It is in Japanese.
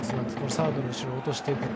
サードの後ろに落としていく。